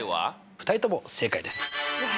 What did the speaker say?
２人とも正解です。